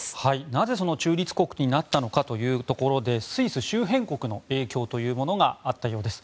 なぜ、その中立国になったのかというところでスイス周辺国の影響というものがあったようです。